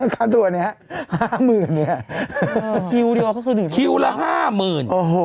ค่าตัวเนี้ยห้าหมื่นเนี้ยคิวเดี๋ยวก็คือหนึ่งคิวละห้าหมื่นโอ้โห